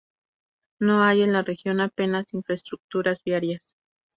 No hay en la región apenas infraestructuras viarias.